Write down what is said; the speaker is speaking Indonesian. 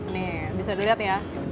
nih bisa dilihat ya